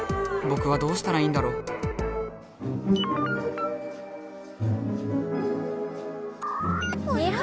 ぼくはどうしたらいいんだろうぽよ？